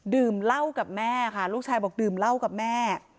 ดื่มเหล้ากับแม่ค่ะลูกชายบอกดื่มเหล้ากับแม่